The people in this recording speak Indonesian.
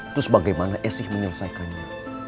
terus bagaimana esih menyelesaikannya